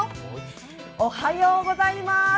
おはようございます。